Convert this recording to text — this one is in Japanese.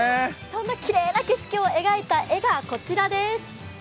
そんなきれいな景色を描いた絵がこちらです。